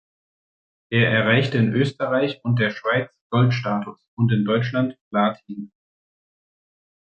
Er erreichte in Österreich und der Schweiz Gold-Status und in Deutschland Platin.